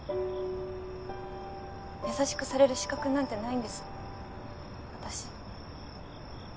優しくされる資格なんてないんです私。